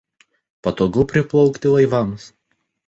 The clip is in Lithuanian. Patogu priplaukti laivams.